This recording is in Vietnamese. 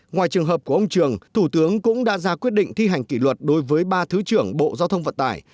ngoài trường hợp của ông trường thủ tướng cũng đã ra quyết định thi hành kỷ luật đối với ba thứ trưởng bộ giao thông vận tải